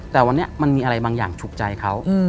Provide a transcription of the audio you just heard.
แต่วันนี้มันมีอะไรบางอย่างฉุกใจเขา